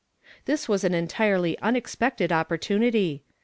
This was an entirely unexpected opportunity.